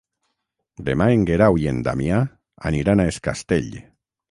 Demà en Guerau i en Damià aniran a Es Castell.